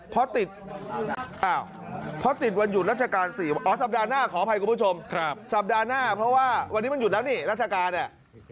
เพราะติดเพราะติดวันหยุดราชการ๔อ๋อสัปดาห์หน้าขออภัยคุณผู้ชมสัปดาห์หน้าเพราะว่าวันนี้มันหยุดแล้วนี่ราชการเนี่ย